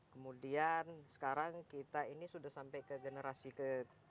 kemudian sekarang kita ini sudah sampai ke generasi ke tujuh